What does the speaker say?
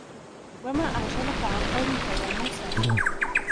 وما أعجلك عن قومك يا موسى